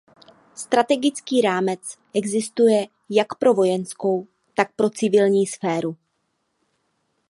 Strategický rámec existuje jak pro vojenskou, tak pro civilní sféru.